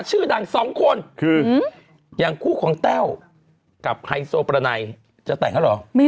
ชื่อดัง๒คนคือยังคู่ของแต้วกับไฮโซประไนจะแต่งเหรอไม่